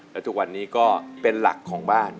และทุกวันนี้ก็เป็นหลักของบ้าน